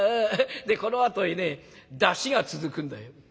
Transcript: でこのあとへね山車が続くんだよ」。